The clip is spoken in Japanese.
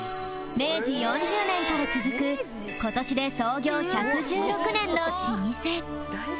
明治４０年から続く今年で創業１１６年の老舗